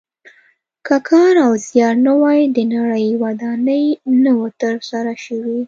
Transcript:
که کار او زیار نه وای د نړۍ ودانۍ نه وه تر سره شوې.